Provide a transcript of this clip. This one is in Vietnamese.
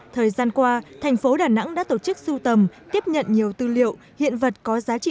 thời gian qua thành phố đà nẵng đã tổ chức sưu tầm tiếp nhận nhiều tư liệu hiện vật có giá trị